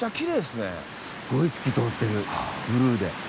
すっごい透き通ってるブルーで。